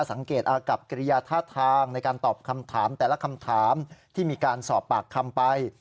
อาสากับกิริยาท่าทางในการตอบคำถามแต่ละคำถามที่มีการสอบปากคำไป